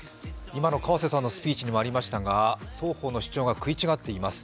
今の河瀬さんのスピーチにもありましたが、双方の主張が食い違っています。